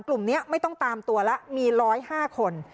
กลุ่มนี้ไม่ต้องตามตัวแล้วมี๑๐๕คน